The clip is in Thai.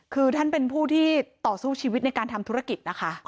คือท่านเป็นผู้ที่ต่อสู้ชีวิตในการทำธุรกิจนะคะ